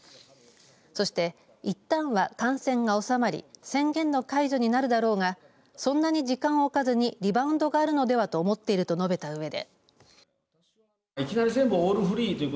そして、いったんは感染が収まり宣言の解除になるだろうがそんなに時間をおかずにリバウンドがあるのではと思っていると述べたうえで。